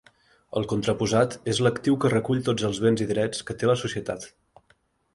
El contraposat és l'actiu que recull tots els béns i drets que té la societat.